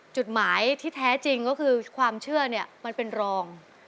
จุดหมายที่แท้จริงก็คือความเชื่อเนี่ยมันเป็นรอง